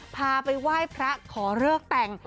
พาไปไหว้พระขอเลิกแต่ง